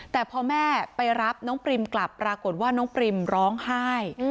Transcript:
แต่พอแม่ไปรับน้องปริมกลับปรากฏว่าน้องปริมร้องไห้